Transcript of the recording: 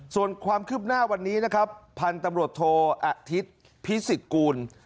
ส่วนความคืบหน้าวันนี้นะครับพันธุ์ตำรวจโทอาทิตย์พิสิทธกูล